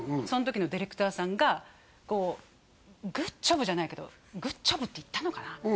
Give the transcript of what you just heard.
その時のディレクターさんがこうグッジョブじゃないけどグッジョブって言ったのかな